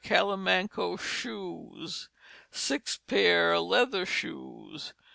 Callimanco Shoes. 6 p. Leather Shoes.